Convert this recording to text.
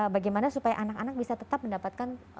bagaimana supaya anak anak bisa tetap mendapatkan